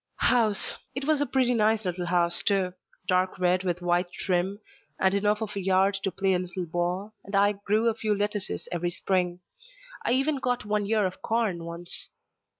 "House. It was a pretty nice little house, too. Dark red with white trim, and enough of a yard to play a little ball, and I grew a few lettuces every spring. I even got one ear of corn once.